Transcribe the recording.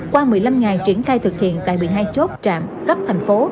qua một mươi năm ngày triển khai thực hiện tại một mươi hai chốt trạm cấp thành phố